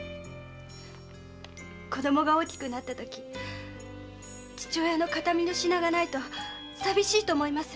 子供が大きくなったとき父親の形見の品がないとさびしいと思います。